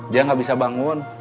dia gak bisa bangun